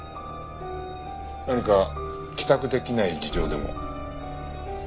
何か帰宅出来ない事情でも？